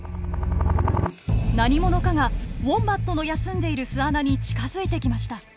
何者かがウォンバットの休んでいる巣穴に近づいてきました。